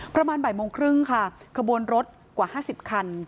ประมาณบ่ายโมงครึ่งค่ะขบวนรถกว่า๕๐คัน